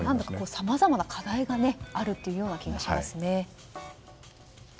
さまざまな課題があるという気もしますね。